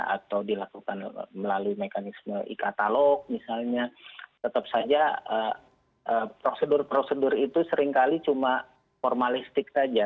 atau dilakukan melalui mekanisme e katalog misalnya tetap saja prosedur prosedur itu seringkali cuma formalistik saja